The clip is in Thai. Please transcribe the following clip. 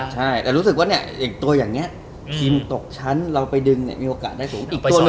ใช่แต่รู้สึกว่าเนี่ยอย่างตัวอย่างนี้ทีมตกชั้นเราไปดึงเนี่ยมีโอกาสได้สูงอีก